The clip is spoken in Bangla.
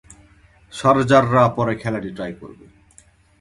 শারজাররা পরে খেলাটি টাই করবে।